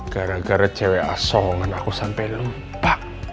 gara gara cewek aso kan aku sampai lempak